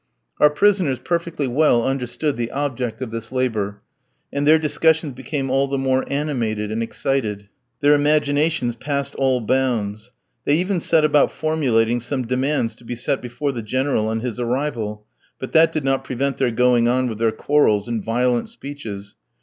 Our prisoners perfectly well understood the object of this labour, and their discussions became all the more animated and excited. Their imaginations passed all bounds. They even set about formulating some demands to be set before the General on his arrival, but that did not prevent their going on with their quarrels and violent speeches.